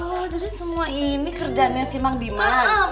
oh jadi semua ini kerjanya si mang liman